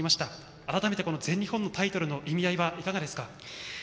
改めて全日本のタイトルの意味合いは、いかがですか？